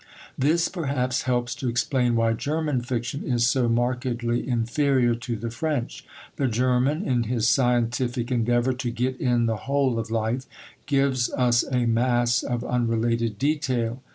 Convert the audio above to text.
This perhaps helps to explain why German fiction is so markedly inferior to the French. The German, in his scientific endeavour to get in the whole of life, gives us a mass of unrelated detail.